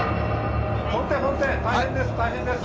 「本店本店大変です大変です」。